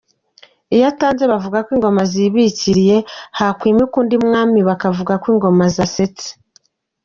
Iyo atanze bavuga ko Ingoma Zibikiriye ; hakwimikwa undi Mwami bakavuga ko Ingoma Zasetse.